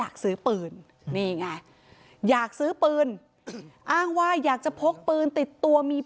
ก็อยากซื้อปืนนี่ไง